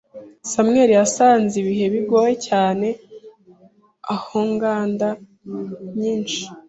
Samuel yasanze ibihe bigoye cyane ahoInganda nyinshi